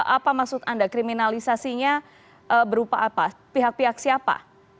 apa maksud anda kriminalisasinya berupa apa pihak pihak siapa